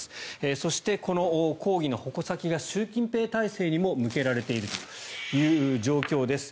そして、抗議の矛先が習近平体制にも向けられているという状況です。